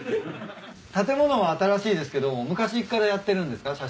建物は新しいですけども昔っからやってるんですか？